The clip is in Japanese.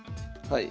はい。